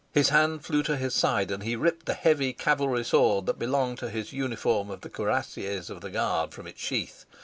His hand flew to his side, and he ripped the heavy cavalry sword that belonged to his uniform of the Cuirassiers of the Guard from its sheath.